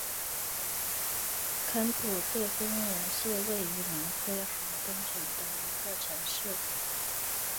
肯普顿公园是位于南非豪登省的一个城市。